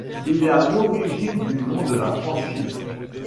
Il à l'origine du nom de la franchise.